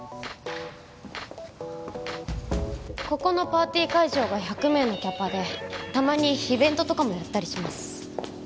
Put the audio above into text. ここのパーティー会場が１００名のキャパでたまにイベントとかもやったりします